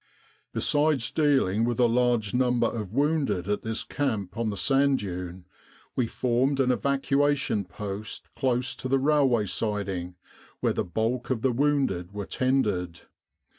"Besides dealing with a large number of wounded at this camp on the sand dune, we formed an evacuation post close to the railway siding, where the bulk of the wounded were tended.